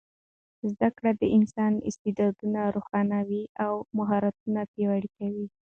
زده کړه د انسان استعداد راویښوي او مهارتونه پیاوړي کوي.